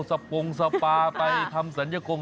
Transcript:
สะปรงสะปาไปทำสัญกง